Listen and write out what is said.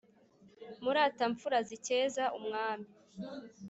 muratamfura zikeza umwami